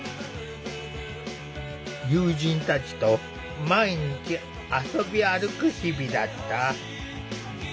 友人たちと毎日遊び歩く日々だった。